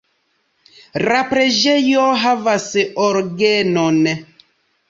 La preĝejo havas orgenon.